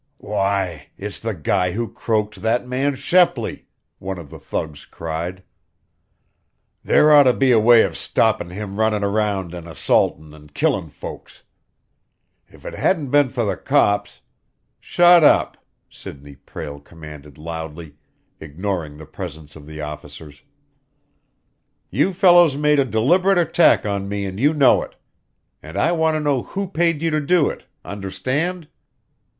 "Why, it's the guy who croaked that man Shepley!" one of the thugs cried. "There ought to be a way of stoppin' him runnin' around and assaultin' and killin' folks. If it hadn't been for the cops " "Shut up!" Sidney Prale commanded loudly, ignoring the presence of the officers. "You fellows made a deliberate attack on me and you know it. And I want to know who paid you to do it understand?"